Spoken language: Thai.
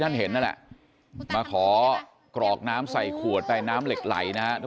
ท่านเห็นนะแหละมาขอกรอกน้ำใส่ขวดใต้น้ำเหล็กไหลนะท่าน